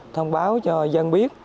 thông báo cho dân biết